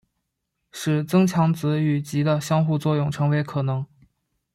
使增强子与及的相互作用成为可能。